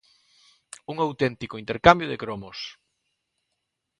¡Un auténtico intercambio de cromos!